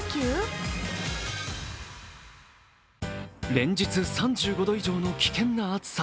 連日３５度以上の危険な暑さ。